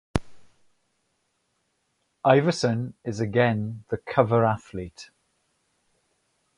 Iverson is again the cover athlete.